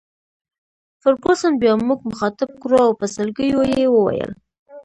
فرګوسن بیا موږ مخاطب کړو او په سلګیو یې وویل.